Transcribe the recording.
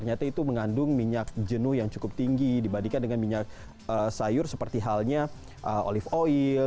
ternyata itu mengandung minyak jenuh yang cukup tinggi dibandingkan dengan minyak sayur seperti halnya olive oil